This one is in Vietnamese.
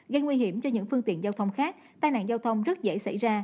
gây nguy hiểm cho những phương tiện giao thông khác tai nạn giao thông rất dễ xảy ra